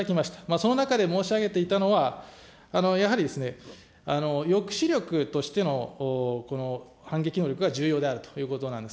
その中で申し上げていたのは、やはりですね、抑止力としての反撃能力が重要であるということなんです。